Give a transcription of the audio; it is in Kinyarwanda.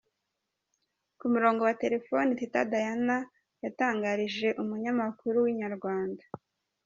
Ku murongo wa telefone Teta Diana yatangarije umunyamakuru wa Inyarwanda.